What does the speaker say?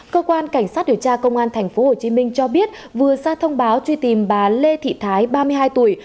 cơ quan cảnh sát điều tra công an tp hcm cho biết vừa ra thông báo truy tìm bà lê thị thái ba mươi hai tuổi